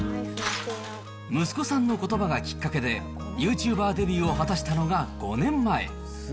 息子さんのことばがきっかけで、ユーチューバーデビューを果たしたのが５年前。